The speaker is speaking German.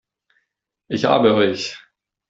Ich habe euch!